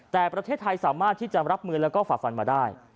แต่ประเทศไทยสามารถที่จะรับมือแล้วก็ฝ่าฟันมาได้